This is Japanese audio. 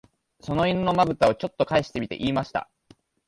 その犬の眼ぶたを、ちょっとかえしてみて言いました